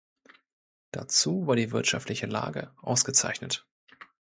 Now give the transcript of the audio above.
Dazu war die wirtschaftliche Lage ausgezeichnet.